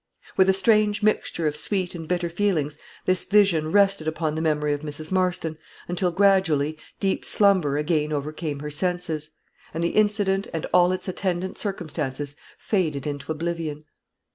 With a strange mixture of sweet and bitter feelings this vision rested upon the memory of Mrs. Marston, until, gradually, deep slumber again overcame her senses, and the incident and all its attendant circumstances faded into oblivion.